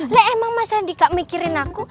lih emang mas rendy gak mikirin aku